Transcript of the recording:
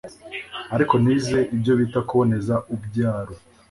ariko nize ibyo bita kuboneza ubyaro